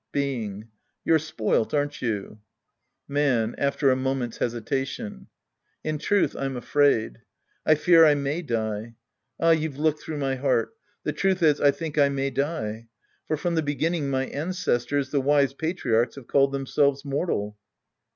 Being. You're spoilt, aren't you ? Man {after a moment's hesitation). In truth, I'm afraid. I fear I may die. Ah, you've looked through my heart. The truth is, I think I may die. For from the beginning, my ancestors, the wise patri archs, have called themselves mortal.